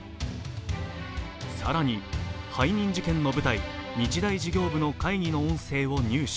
更に背任事件の舞台、日大事業部の会議の音声を入手。